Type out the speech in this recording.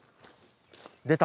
出た。